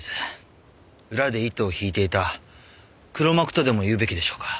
裏で糸を引いていた黒幕とでも言うべきでしょうか。